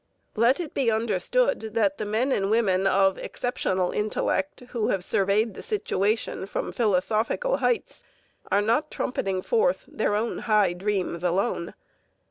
Let it be understood that the men and women of exceptional intellect, who have surveyed the situation from philosophical heights, are not trumpeting forth their own high dreams alone.